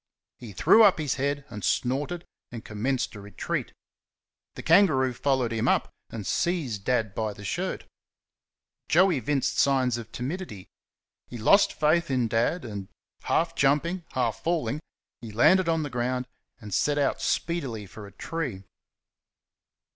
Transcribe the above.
He threw up his head and snorted, and commenced a retreat. The kangaroo followed him up and seized Dad by the shirt. Joe evinced signs of timidity. He lost faith in Dad, and, half jumping, half falling, he landed on the ground, and set out speedily for a tree.